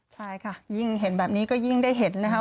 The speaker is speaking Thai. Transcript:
ใช่ค่ะยิ่งเห็นแบบนี้ก็ยิ่งได้เห็นนะคะ